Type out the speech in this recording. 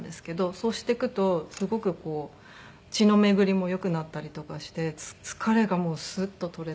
そうしていくとすごく血の巡りも良くなったりとかして疲れがスッと取れて。